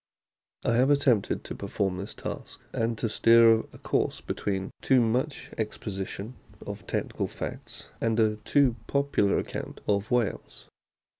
I have attempted to perform this task, and to steer a course between too much exposition of technical facts and a too popular account of whales.